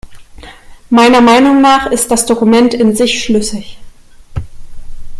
Meiner Meinung nach ist das Dokument in sich schlüssig.